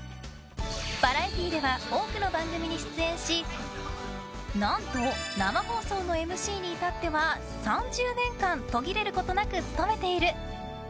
バラエティーでは多くの番組に出演し何と生放送のＭＣに至っては３０年間、途切れることなく務めている。